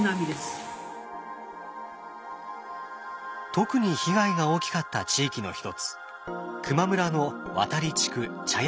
特に被害が大きかった地域の一つ球磨村の渡地区茶屋集落。